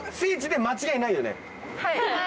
はい。